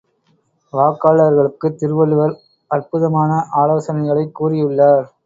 வாக்காளர்களுக்குத் திருவள்ளுவர் அற்புதமான ஆலோசனைகளைக் கூறியுள்ளார்!